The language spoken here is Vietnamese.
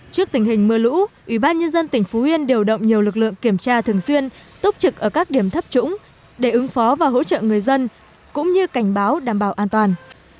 trước tình hình mưa lũ ủy ban nhân dân tỉnh phú yên điều động nhiều lực lượng kiểm tra thường xuyên túc trực ở các điểm thấp trũng để ứng phó và hỗ trợ người dân cũng như cảnh báo đảm bảo an toàn